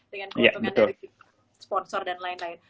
dengan keuntungan dari sponsor dan lain lain